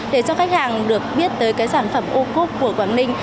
để cho khách hàng được biết tới sản phẩm ô khúc của quảng ninh